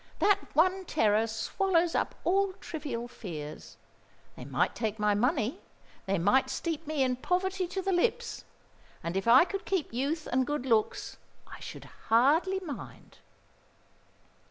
That one terror swallows up all trivial fears. They might take my money, they might steep me in poverty to the lips, and if I could keep youth and good looks, I should hardly mind."